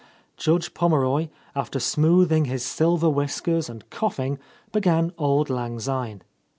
Judge Pommeroy, after smoothing his silver whiskers and coughing, began "Auld Lang Syne."